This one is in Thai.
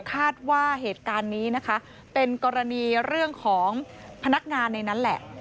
คาดว่าเหตุการณ์นี้นะคะเป็นกรณีเรื่องของพนักงานในนั้นแหละ